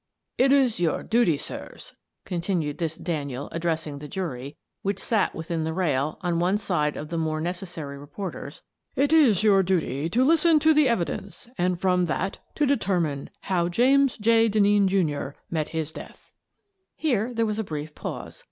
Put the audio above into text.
" It is your duty, sirs," continued this Daniel, addressing the jury, which sat within the rail, on one side of the more necessary reporters, " it is your duty to listen to the evidence, and from that to determine how James J. Denneen, Jr., met his death." Here there was a brief pause.